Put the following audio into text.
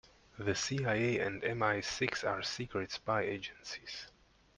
The CIA and MI-Six are secret spy agencies.